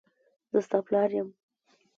زه ستا پلار یم.